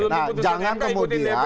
nah jangan kemudian